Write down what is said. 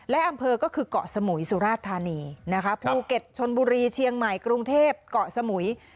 และอำเภอก็คือเกาะสมุยสุราชธานีนะคะภูเก็ตชนบุรีเชียงใหม่กรุงเทพเกาะสมุย